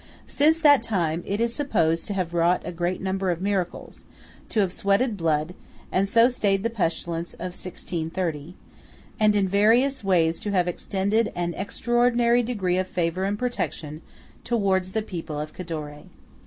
Since that time it is supposed to have wrought a great number of miracles; to have sweated blood, and so stayed the pestilence of 1630; and in various ways to have extended an extraordinary degree of favour and protection towards the people of Cadore.